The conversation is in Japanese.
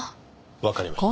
わかりました。